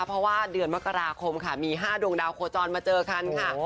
เพราะว่าเดือนมกราคมค่ะมี๕ดวงดาวโคจรมาเจอกันค่ะ